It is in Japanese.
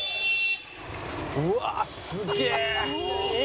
うわあすげえ！